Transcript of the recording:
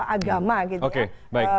agama gitu ya oke baik